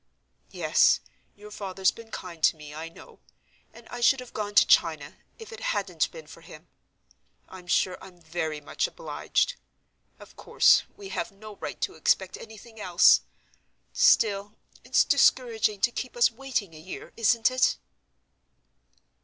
Yes; your father's been kind to me, I know—and I should have gone to China, if it hadn't been for him. I'm sure I'm very much obliged. Of course, we have no right to expect anything else—still it's discouraging to keep us waiting a year, isn't it?"